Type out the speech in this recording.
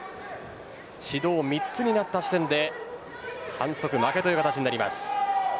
指導３つになった時点で反則負けという形になります。